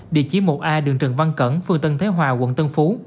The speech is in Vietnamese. địa chỉ một a đường trần văn cẩn phường tân thế hòa quận tân phú